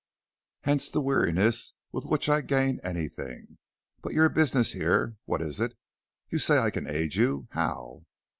Hence the weariness with which I gain anything. But your business here, what is it? You say I can aid you. How?"